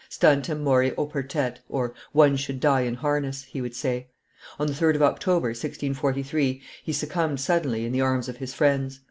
Stantem mori oportet (One should die in harness), he would say. On the 3d of October, 1643, he succumbed suddenly, in the arms of his friends.